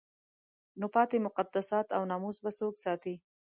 نو پاتې مقدسات او ناموس به څوک ساتي؟